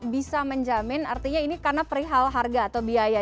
bisa menjamin artinya ini karena perihal harga atau biaya